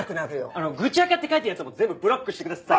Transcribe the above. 愚痴アカって書いてるやつは全部ブロックしてください。